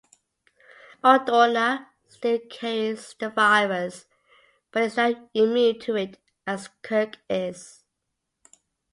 Odona still carries the virus but is now immune to it, as Kirk is.